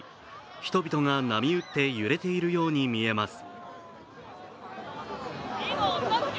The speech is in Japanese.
人々が波打って揺れているように見えます。